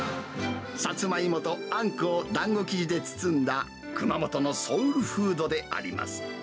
サツマイモとあんこをだんご生地で包んだ熊本のソウルフードであります。